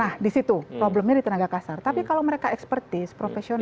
nah di situ problemnya di tenaga kasar tapi kalau mereka expertise profesional